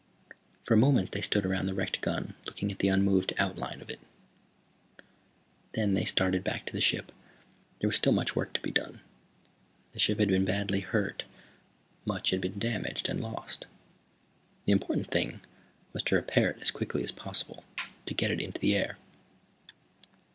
For a moment they stood around the wrecked gun looking at the unmoving outline of it. Then they started back to the ship. There was still much work to be done. The ship had been badly hurt, much had been damaged and lost. The important thing was to repair it as quickly as possible, to get it into the air.